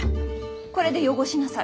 これで汚しなされ。